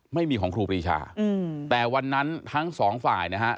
ไม่มีของครูปรีชาแต่วันนั้นทั้งสองฝ่ายนะฮะ